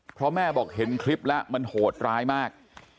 เพราะแม่บอกเห็นคลิปแล้วมันโหดร้ายมาก